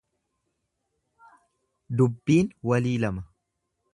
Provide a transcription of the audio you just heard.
Dubbiin walii lama.